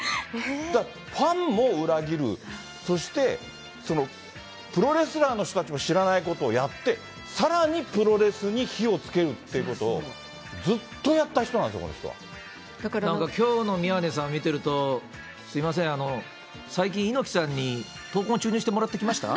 だから、ファンも裏切る、そして、プロレスラーの人たちも知らないことをやって、さらにプロレスに火をつけるっていうことを、ずっなんかきょうの宮根さん見てると、すみません、最近、猪木さんに闘魂注入してもらってきました？